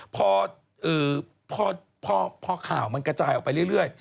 พอข่าวมันกระจายออกไปเรื่อย